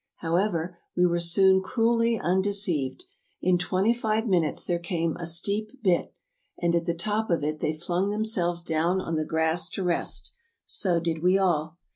However, we were soon cruelly undeceived. In twenty five minutes there came a steep bit, and at the top of it they flung themselves down on the grass to rest. So did we all.